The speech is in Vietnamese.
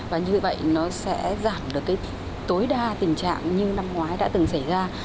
và như vậy nó sẽ giảm được cái tối đa tình trạng như năm ngoái đã từng xảy ra